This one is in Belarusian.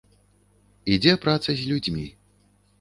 Ідзе праца з людзьмі.